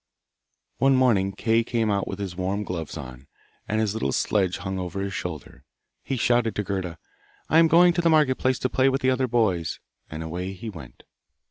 One morning Kay came out with his warm gloves on, and his little sledge hung over his shoulder. He shouted to Gerda, 'I am going to the market place to play with the other boys,' and away he went.